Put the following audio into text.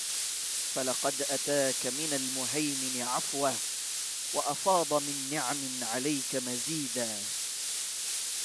فلقـد أتاك من المهيمـن عـفـوه... وأفاض من نعم عليك مزيـدا